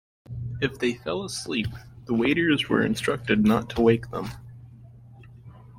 If they fell asleep, the waiters were instructed not to wake them.